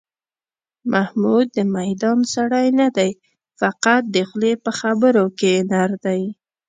محمود د میدان سړی نه دی، فقط د خولې په خبرو کې نر دی.